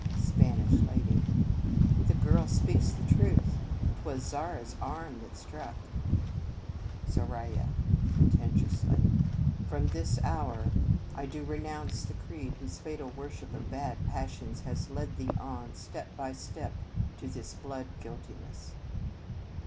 Spanish Lady. The girl speaks truth. ? T was Zara s arm that struckc Zoraiya (conscientiously). From this hour I do renounce the creed 65 In Our Convent Days whose fatal worship of bad passions has led thee on, step by step, to this blood guiltiness.